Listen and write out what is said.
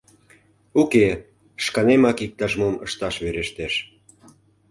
Уке, шканемак иктаж-мом ышташ верештеш...